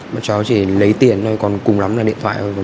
bọn cháu chỉ lấy tiền thôi còn cùng lắm là điện thoại thôi